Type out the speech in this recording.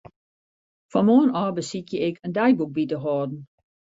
Fan moarn ôf besykje ik in deiboek by te hâlden.